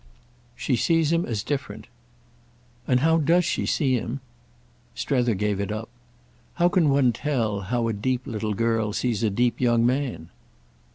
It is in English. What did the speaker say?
"She sees him as different." "And how does she see him?" Strether gave it up. "How can one tell how a deep little girl sees a deep young man?"